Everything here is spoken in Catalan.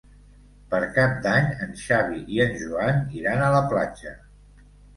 Per Cap d'Any en Xavi i en Joan iran a la platja.